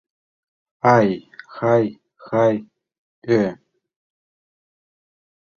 Ай-хай-хай-йо!